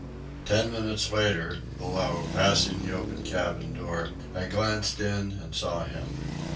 Ten minutes later, below, passing the open cabin door, I glanced in and saw him.